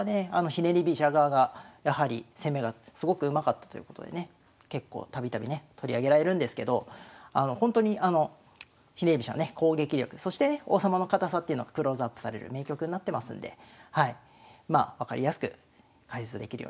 ひねり飛車側がやはり攻めがすごくうまかったということでね結構度々ね取り上げられるんですけどほんとにあのひねり飛車のね攻撃力そしてね王様の堅さっていうのがクローズアップされる名局になってますんでまあ分かりやすく解説できるように頑張っていきます。